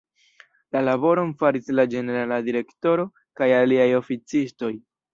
La laboron faris la Ĝenerala Direktoro kaj aliaj oficistoj.